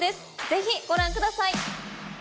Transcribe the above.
ぜひご覧ください。